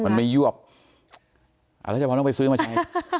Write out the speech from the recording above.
มันไม่ยวกเอาละจะพอไปซื้อมาใช้